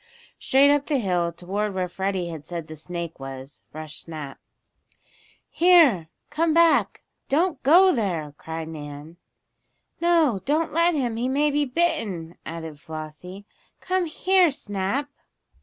Straight up the hill, toward where Freddie had said the snake was, rushed Snap. "Here! Come back! Don't go there!" cried Nan. "No, don't let him he may be bitten!" added Flossie. "Come here, Snap!"